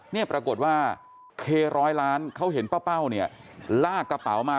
เนี่ยปรากฏว่าเคร้อยล้านเขาเห็นป้าเป้าเนี่ยลากกระเป๋ามา